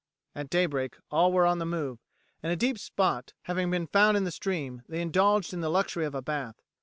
At daybreak all were on the move, and a deep spot having been found in the stream, they indulged in the luxury of a bath.